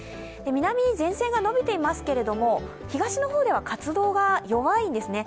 南に前線がのびていますけれども、東の方では活動が弱いんですね。